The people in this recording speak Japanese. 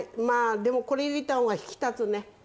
まあでもこれ入れた方が引き立つね。